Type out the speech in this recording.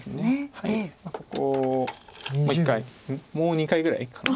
ここを１回もう２回ぐらいかな。